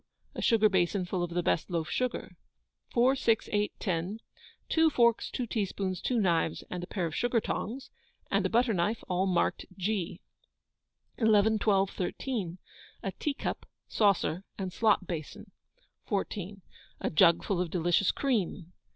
A sugar basin full of the best loaf sugar. 4, 6, 8, 10. Two forks, two teaspoons, two knives, and a pair of sugar tongs, and a butter knife all marked G. 11, 12, 13. A teacup, saucer, and slop basin. 14. A jug full of delicious cream.